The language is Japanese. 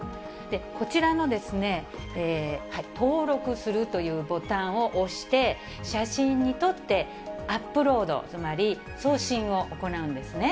こちらの登録するというボタンを押して、写真に撮ってアップロード、つまり送信を行うんですね。